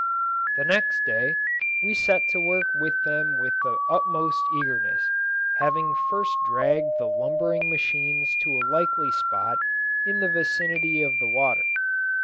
The next day we set to work with them with the utmost eagerness, having first dragged the lumbering machines to a likely spot in the vicinity of the water.